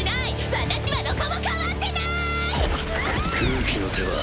私はどこも変わってない！